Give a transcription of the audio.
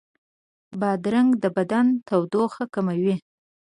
بادرنګ د بدن تودوخه کموي.